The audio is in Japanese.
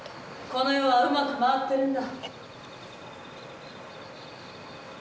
この世はうまく回ってるんだ。